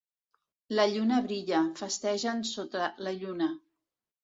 La lluna brilla, festegen sota la lluna.